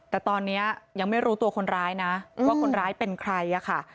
แต่ตอนนี้ยังไม่รู้ตัวคนร้ายนะว่าคนร้ายเป็นใครค่ะ